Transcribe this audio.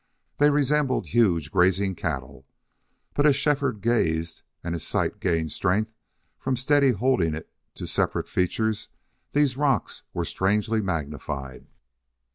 They resembled huge grazing cattle. But as Shefford gazed, and his sight gained strength from steadily holding it to separate features these rocks were strangely magnified.